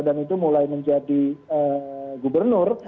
dan itu mulai menjadi gubernur